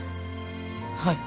はい。